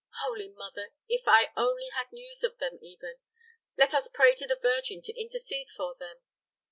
Holy Mother! if I only had news of them, even. Let us pray to the Virgin to intercede for them."